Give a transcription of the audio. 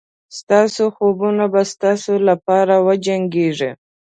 ستاسو خوبونه به ستاسو لپاره وجنګېږي.